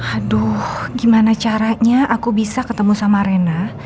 aduh gimana caranya aku bisa ketemu sama rena